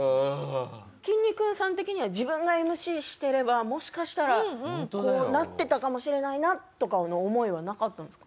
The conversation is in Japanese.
きんに君さん的には自分がＭＣしてればもしかしたらこうなってたかもしれないなとかの思いはなかったんですか？